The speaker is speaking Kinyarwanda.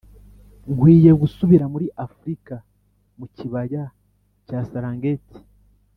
'nkwiye gusubira muri afurika, mu kibaya cya saranghetti',